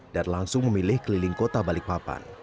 dan langsung memilih keliling kota balikpapan